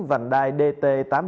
vành đai dt tám trăm bốn mươi tám